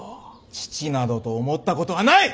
父などと思ったことはない！